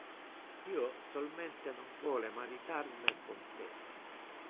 Io solmente non vole maritar me con te.